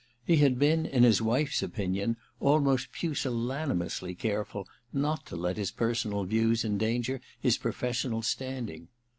He had been, in his wife's opinion, almost pusillanimously careful not to let his personal views endanger his pro .fessional standing.